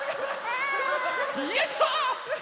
よいしょっ！